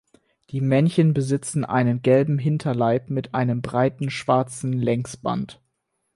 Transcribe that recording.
Die Männchen besitzen einen gelben Hinterleib mit einem breiten schwarzen Längsband.